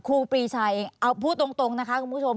ครูปีชัยเอาพูดตรงนะคะคุณผู้ชม